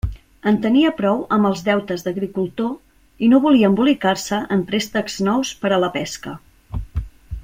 En tenia prou amb els deutes d'agricultor, i no volia embolicar-se en préstecs nous per a la pesca.